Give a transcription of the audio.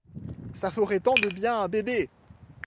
Ça ferait tant de bien à bébé!